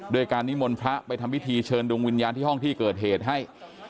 โดยการนิมนต์พระไปทำพิธีเชิญดวงวิญญาณที่ห้องที่เกิดเหตุให้